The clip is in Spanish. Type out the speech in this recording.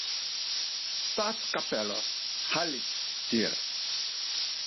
Staatskapelle Halle, dir.